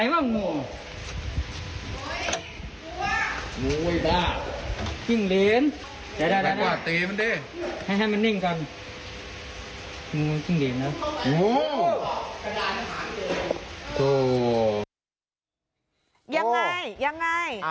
ยังไงยังไง